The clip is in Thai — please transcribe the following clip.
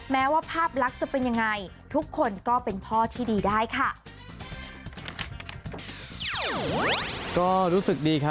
แม้ว่าภาพลักษณ์จะเป็นยังไงทุกคนก็เป็นพ่อที่ดีได้ค่ะ